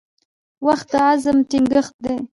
• وخت د عزم ټینګښت دی.